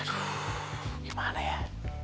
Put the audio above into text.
aduh gimana ya